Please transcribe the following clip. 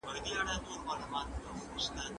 A ګروپ سبزي خوړونکی دی.